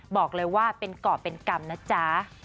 บอกเลยว่าเป็นกรอบเป็นกรรมนะจ๊ะ